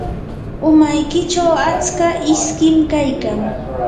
umaykichu atska iskim kaykan.